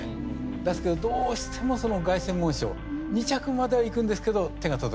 ですけどどうしてもその凱旋門賞２着まではいくんですけど手が届かない。